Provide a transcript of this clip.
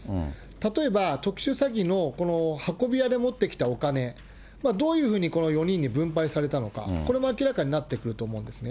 例えば特殊詐欺のこの運び屋で持ってきたお金、どういうふうにこの４人に分配されたのか、これも明らかになってくると思うんですね。